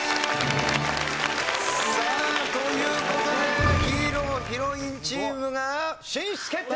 さあという事でヒーローヒロインチームが進出決定！